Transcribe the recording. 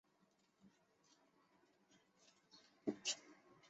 所有东盟成员国随后成为签约国。